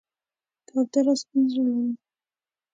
کوتره سپین زړه لري.